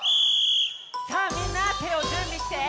さあみんなてをじゅんびして！